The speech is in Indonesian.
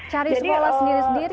cari sekolah sendiri sendiri